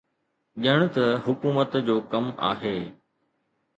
ڄڻ ته حڪومت جو ڪم آهي.